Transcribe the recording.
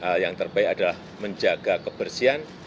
dan hal yang terbaik adalah menjaga kebersihan